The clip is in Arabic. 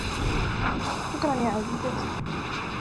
شکراً یا عزیزتي.